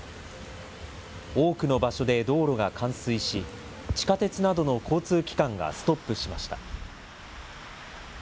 多くの場所で道路が冠水し、地下鉄などの交通機関がストップしました。